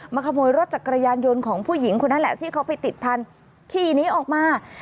ขโมยรถจักรยานยนต์ของผู้หญิงคนนั้นแหละที่เขาไปติดพันธุ์ขี่นี้ออกมา